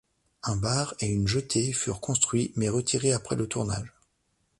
Un bar et une jetée furent construits mais retirés après le tournage.